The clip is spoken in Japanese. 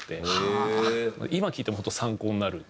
今聴いても本当参考になる。